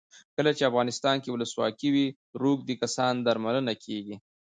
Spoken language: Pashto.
کله چې افغانستان کې ولسواکي وي روږدي کسان درملنه کیږي.